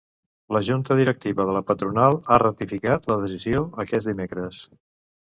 La Junta Directiva de la patronal ha ratificat la decisió aquest dimecres.